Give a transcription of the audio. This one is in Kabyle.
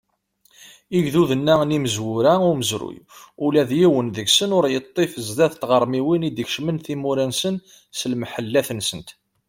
Igduden-a n imezwura umezruy, ula d yiwen deg-sen ur yeṭṭif sdat tɣermiwin i d-ikecmen timura-nsen s lemḥellat-nsent!